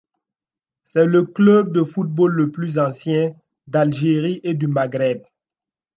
C'est le club de football le plus ancien d'Algérie et du Maghreb.